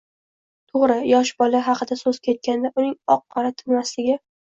To‘g‘ri, yosh bola haqida so‘z ketganda uning oq-qorani tanimasligi